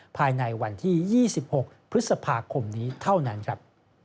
ภายในวันที่๒๖พฤษภาคมนี้เท่านั้นครับ